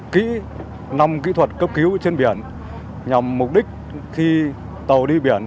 kỹ năng kỹ thuật cấp cứu trên biển nhằm mục đích khi tàu đi biển